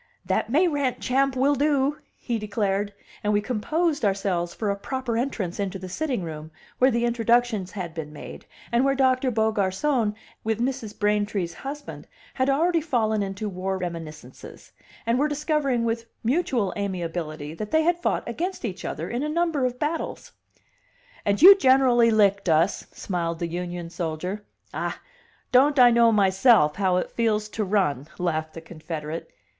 "That Mayrant chap will do," he declared; and we composed ourselves for a proper entrance into the sitting room, where the introductions had been made, and where Doctor Beaugarcon and Mrs. Braintree's husband had already fallen into war reminiscences, and were discovering with mutual amiability that they had fought against each other in a number of battles. "And you generally licked us," smiled the Union soldier. "Ah! don't I know myself how it feels to run!" laughed the Confederate.